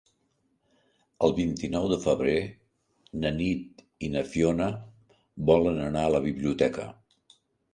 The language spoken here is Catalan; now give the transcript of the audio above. El vint-i-nou de febrer na Nit i na Fiona volen anar a la biblioteca.